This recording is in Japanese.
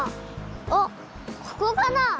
あっここかな。